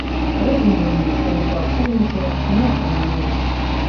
Разумею, што мікрафон ужо не атрымаю.